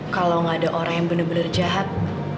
kalau nggak ada orang yang bener bener jahat